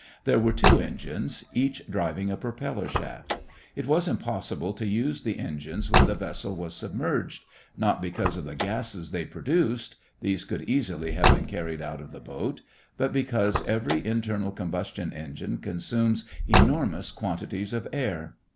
There were two engines, each driving a propeller shaft. It was impossible to use the engines when the vessel was submerged, not because of the gases they produced these could easily have been carried out of the boat but because every internal combustion engine consumes enormous quantities of air.